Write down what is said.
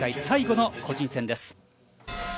最後の個人戦です。